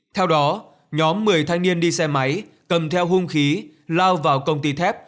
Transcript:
theo đó nhóm một mươi thanh niên đi xe máy cầm theo hung khí lao vào công ty thép